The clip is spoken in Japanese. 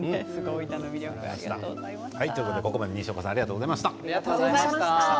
西岡さんありがとうございました。